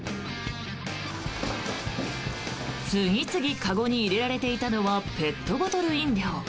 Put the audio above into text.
次々、籠に入れられていたのはペットボトル飲料。